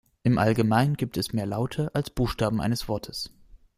Im Allgemeinen gibt es mehr Laute als Buchstaben eines Wortes.